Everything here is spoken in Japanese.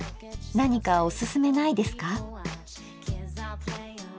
何かおすすめないですか？